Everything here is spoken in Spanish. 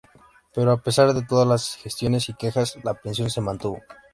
Pero a pesar de todas las gestiones y quejas, la pensión se mantuvo.